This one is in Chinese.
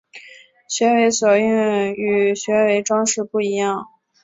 学为所用与学为‘装饰’不一样